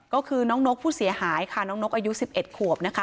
ก็คือน้องนกผู้เสียหายค่ะน้องนกอายุ๑๑ขวบนะคะ